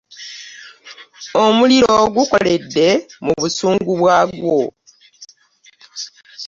Omuliro gukoledde mu busungu bwagwo.